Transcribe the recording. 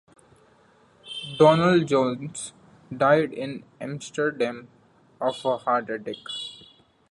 Donald Jones died in Amsterdam of a heart attack.